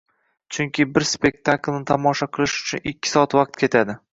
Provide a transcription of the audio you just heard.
Chunki bir spektaklni tomosha qilish uchun ikki soat vaqt ketadi.